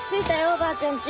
おばあちゃんち。